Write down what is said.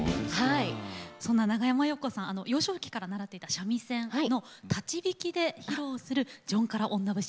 そんな長山洋子さんには幼少期から習っていた三味線を立ち弾きで披露する「じょんから女節」